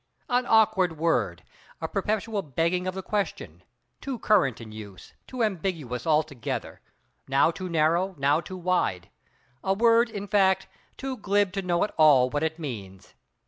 An awkward word—a perpetual begging of the question; too current in use, too ambiguous altogether; now too narrow, now too wide—a word, in fact, too glib to know at all what it means.